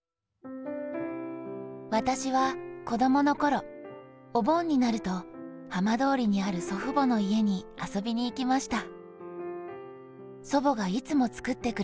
「私は、子どものころ、お盆になると浜通りにある祖父母の家に遊びに行きました」。